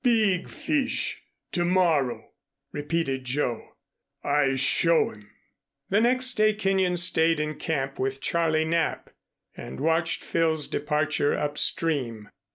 "Beeg fish to morrow," repeated Joe. "I show um." The next day Kenyon stayed in camp with Charlie Knapp, and watched Phil's departure upstream.